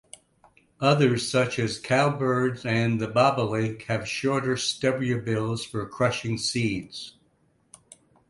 Others such as cowbirds and the bobolink have shorter stubbier bills for crushing seeds.